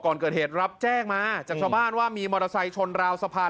ก่อนเกิดเหตุรับแจ้งมาจากชาวบ้านว่ามีมอเตอร์ไซค์ชนราวสะพาน